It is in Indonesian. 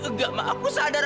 enggak mbak aku sadar